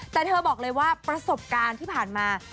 แต่เธอบอกเลยว่าประสบการณ์ที่ผ่านมา